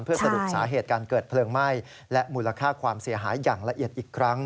เพื่อสรุปสาเหตุการเกิดเพลิงไหม้และมูลค่าความเสียหายอย่างละเอียดอีกครั้ง